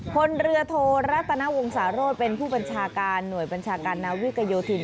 พลเรือโทรัตนวงศาโรธเป็นผู้บัญชาการหน่วยบัญชาการนาวิกโยธิน